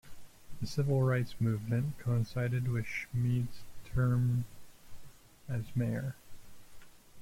The civil rights movement coincided with Schmied's term as mayor.